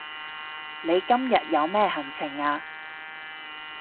你今日有咩行程啊